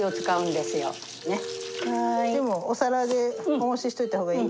お皿でおもししといた方がいい？